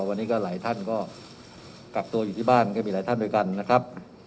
วันนี้ก็หลายท่านก็กักตัวอยู่ที่บ้านก็มีหลายท่านด้วยกันนะครับ